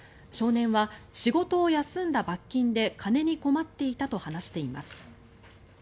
少年は仕事を休んだ罰金で金に困っていたと話しています。